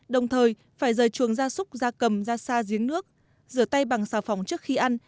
đồng thời phải rời chuồng ra súc ra cầm ra xa giếng nước rửa tay bằng xào phòng trước khi ăn